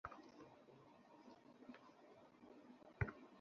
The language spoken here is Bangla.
আমি নিক্ষেপ করার পডটা আরো বড় করব।